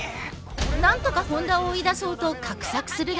なんとか本田を追い出そうと画策するが。